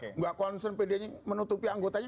tidak konsen pdi nya menutupi anggotanya